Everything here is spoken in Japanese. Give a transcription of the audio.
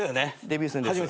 デビュー戦です。